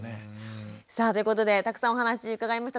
さあということでたくさんお話伺いました。